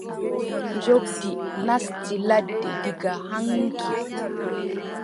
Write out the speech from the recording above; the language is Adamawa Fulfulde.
Njoɓndi naati ladde diga haŋki.